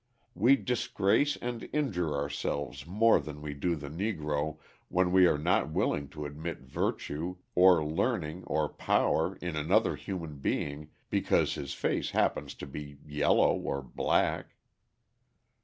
We disgrace and injure ourselves more than we do the Negro when we are not willing to admit virtue or learning or power in another human being because his face happens to be yellow or black.